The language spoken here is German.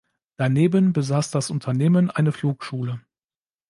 Daneben besaß das Unternehmen eine Flugschule.